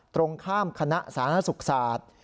ตรงข้ามคณะสาธารณสุขศาสตร์